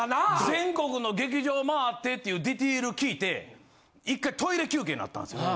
全国の劇場回ってっていうディテール聞いて一回トイレ休憩になったんですよ。